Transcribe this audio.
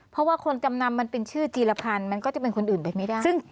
เพราะว่าคนจำนำมันเป็นชื่อจีรพันธ์มันก็จะเป็นคนอื่นไปไม่ได้